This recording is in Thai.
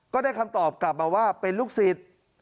ก็ได้คำตอบกลับมาว่าเป็นลูกศิษย์